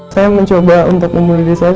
saya mencoba untuk membuli diri saya